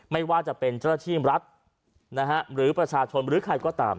ไม่ว่าจะเป็นเจ้าหน้าที่รัฐหรือประชาชนหรือใครก็ตาม